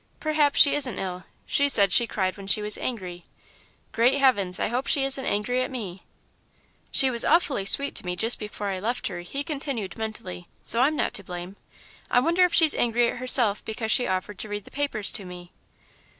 Perhaps she isn't ill she said she cried when she was angry. Great Heavens! I hope she isn't angry at me! "She was awfully sweet to me just before I left her," he continued, mentally, "so I'm not to blame. I wonder if she's angry at herself because she offered to read the papers to me?"